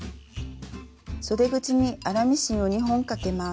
そで口に粗ミシンを２本かけます。